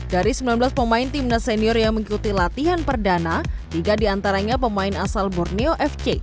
dari sembilan belas pemain timnas senior yang mengikuti latihan perdana tiga diantaranya pemain asal borneo fc